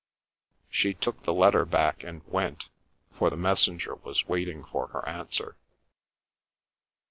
She took the letter back and went, for the messenger was waiting for her answer.